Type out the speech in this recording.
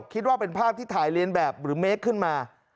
คิดว่าเป็นภาพที่ถ่ายเรียนแบบหรือเมคขึ้นมา